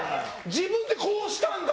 自分でこうしたんだ。